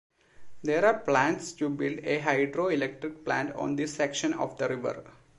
There are plans to build a hydroelectric plant on this section of the river.